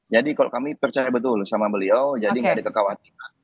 jadi kalau kami percaya betul sama beliau jadi nggak ada kekhawatiran